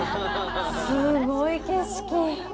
すごい景色！